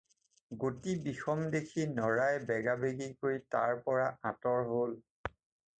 গতি বিষম দেখি নৰাই বেগাবেগিকৈ তাৰ পৰা আঁতৰ হ'ল।